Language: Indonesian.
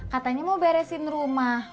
katanya mau beresin rumah